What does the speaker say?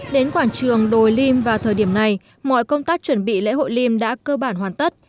đến quảng trường đồi lim vào thời điểm này mọi công tác chuẩn bị lễ hội liêm đã cơ bản hoàn tất